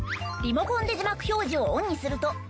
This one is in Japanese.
リモコンで字幕表示をオンにすると。